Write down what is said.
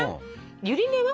ゆり根は？